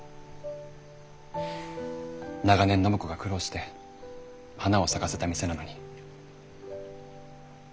長年暢子が苦労して花を咲かせた店なのに。